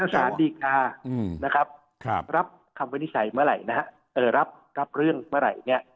ศาลดีการับคำวินิจฉัยเมื่อไหร่รับเรื่องเมื่อไหร่